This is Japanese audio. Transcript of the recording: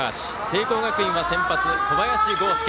聖光学院は先発、小林剛介。